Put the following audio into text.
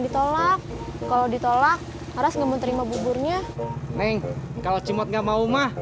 ditolak kalau ditolak harus ngebut terima buburnya neng kalau cimot nggak mau mah